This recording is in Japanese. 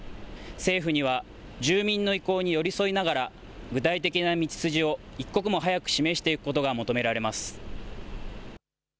政府には住民の意向に寄り添いながら具体的な道筋を一刻も早く示していくことが求められます。